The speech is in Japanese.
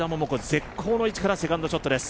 絶好の位置からセカンドショットです。